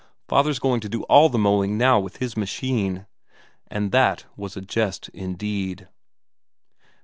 Father's going to do all the mowing now with his machine!" And that was a jest indeed.